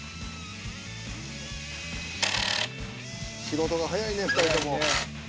仕事が早いね２人とも。早いね。